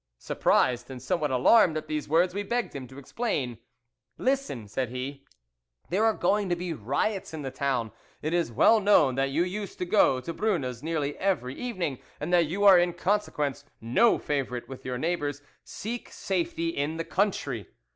Surprised and somewhat alarmed at these words, we begged him to explain. 'Listen,' said he; 'there are going to be riots in the town; it is well known that you used to go to Brune's nearly every evening, and that you are in consequence no favourite with your neighbours; seek safety in the country.